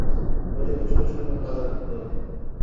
হয়তো কিছুটা সময় কারাগারে থাকতে হবে।